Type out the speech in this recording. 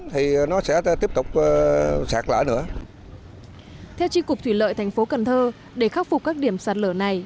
theo tri cục thủy lợi thành phố cần thơ để khắc phục các điểm sạt lở này